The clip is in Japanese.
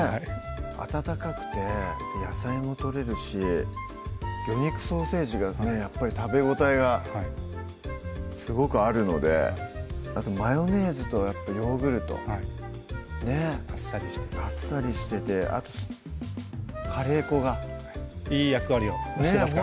温かくて野菜もとれるし魚肉ソーセージがねやっぱり食べ応えがすごくあるのであとマヨネーズとヨーグルトねっあっさりしてあっさりしててあとカレー粉がいい役割をしてますか？